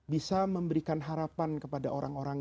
bisa memberikan harapan kepada orang orang